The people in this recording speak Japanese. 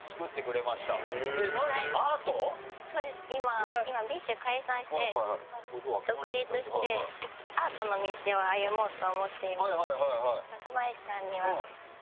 そうです今ＢｉＳＨ解散して独立してアートの道を歩もうと思っていまして。